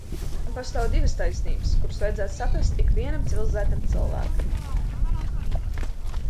Un pastāv divas taisnības, kuras vajadzētu saprast ikvienam civilizētam cilvēkam.